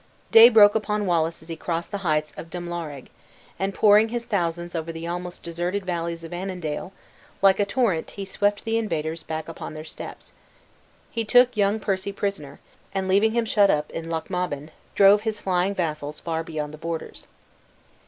Day broke upon Wallace as he crossed the heights of Drumlaurig, and pouring his thousands over the almost deserted valleys of Annandale, like a torrent he swept the invaders back upon their steps. He took young Percy prisoner, and leaving him shut up in Lochmaben, drove his flying vassals far beyond the borders.